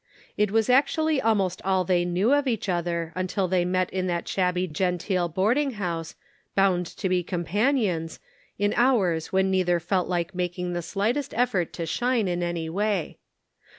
It was actually almost all they knew of each other until they met in that shabby genteel boarding house, bound to be companions, in hours when neither felt like making the slight est effort to shine in any way.